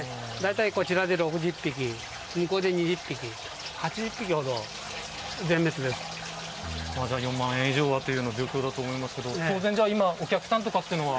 こちらで６０匹向こうで２０匹、８０匹ほど４万円以上という状況だと思いますがお客さんとかは。